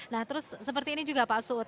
nah terus seperti ini juga pak sud